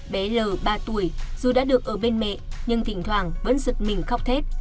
bé l ba tuổi dù đã được ở bên mẹ nhưng thỉnh thoảng vẫn giật mình khóc thết